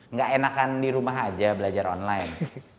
nggak enakan di rumah aja belajar online